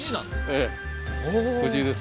ええ藤です